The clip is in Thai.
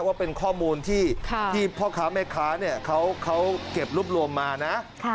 ว่าเป็นข้อมูลที่พ่อค้าแม่ค้าเขาเก็บรวบรวมมานะ